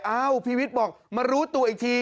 พี่วิทย์บอกมารู้ตัวอีกที